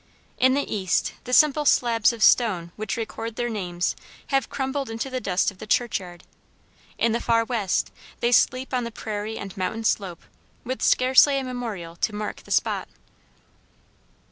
In the East, the simple slabs of stone which record their names have crumbled into the dust of the churchyard. In the far West, they sleep on the prairie and mountain slope, with scarcely a memorial to mark the spot.